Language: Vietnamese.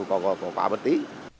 có quá bất tí